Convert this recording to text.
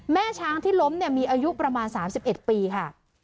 แม่ช้างที่ล้มมีอายุประมาณ๓๑ปีค่ะ